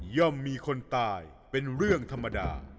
มีคนตายเป็นเรื่องธรรมดา